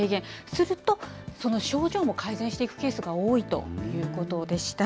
すると、その症状も改善していくケースが多いということでした。